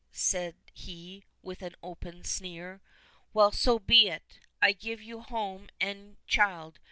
said he, with an open sneer "Well, so be it. I give you home and child.